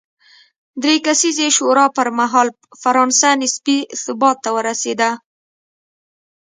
درې کسیزې شورا پر مهال فرانسه نسبي ثبات ته ورسېده.